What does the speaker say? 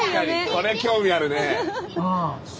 これ興味あるね。